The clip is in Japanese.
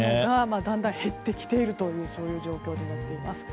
だんだん減ってきているという状況になっています。